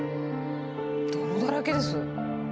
泥だらけです。